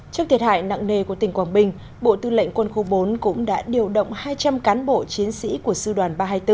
trước thiệt hại nặng nề của tỉnh quảng bình bộ tư lệnh quân khu bốn cũng đã điều động hai trăm linh cán bộ chiến sĩ của sư đoàn ba trăm hai mươi bốn